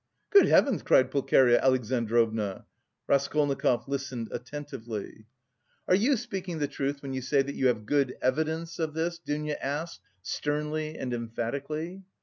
"Good heavens!" cried Pulcheria Alexandrovna. Raskolnikov listened attentively. "Are you speaking the truth when you say that you have good evidence of this?" Dounia asked sternly and emphatically.